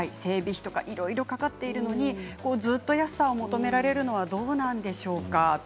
費いろいろかかっているのにずっと安さを求められるのはどうなんでしょうか。